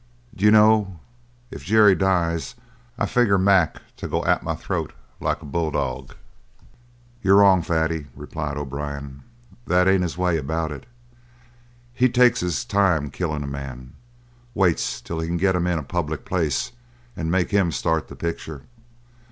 D'you know, if Jerry dies I figure Mac to go at my throat like a bulldog." "You're wrong, Fatty," replied O'Brien. "That ain't his way about it. He takes his time killin' a man. Waits till he can get him in a public place and make him start the picture.